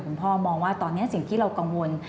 คุณพ่อมองว่าตอนนี้สิ่งที่เรากังวล